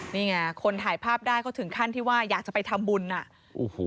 นี่ไงคนถ่ายภาพได้ก็ถึงขั้นที่ว่าอยากจะไปทำบุญอ่ะโอ้โห